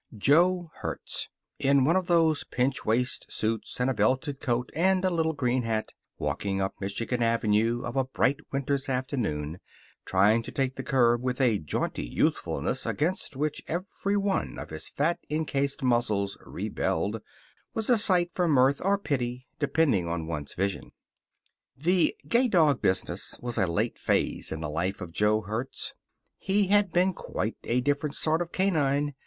Jo Hertz, in one of those pinch waist suits and a belted coat and a little green hat, walking up Michigan Avenue of a bright winter's afternoon, trying to take the curb with a jaunty youthfulness against which every one of his fat encased muscles rebelled, was a sight for mirth or pity, depending on one's vision. The gay dog business was a late phase in the life of Jo Hertz. He had been a quite different sort of canine.